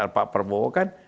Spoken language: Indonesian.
pak permowo kan